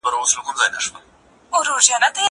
وَمَا ظَلَمْنَاهُمْ وَلَٰكِن ظَلَمُوا أَنفُسَهُمْ.